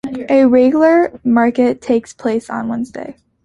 A regular market takes place on Wednesdays.